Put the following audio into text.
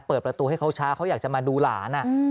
เปิดประตูให้เขาช้าเขาอยากจะมาดูหลาน